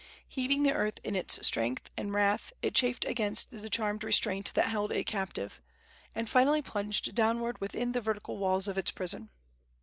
Heaving the earth in its strength and wrath, it chafed against the charmed restraint that held it captive, and finally plunged downward within the vertical walls of its prison.